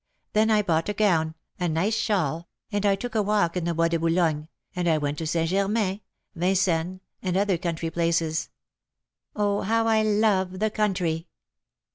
then I bought a gown, a nice shawl, and I took a walk in the Bois de Boulogne, and I went to St. Germains, Vincennes, and other country places. Oh, how I love the country!"